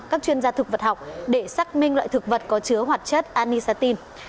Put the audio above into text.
các chuyên gia thực vật học để xác minh loại thực vật có chứa hoạt chất anisatin